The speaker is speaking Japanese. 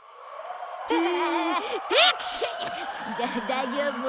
大丈夫？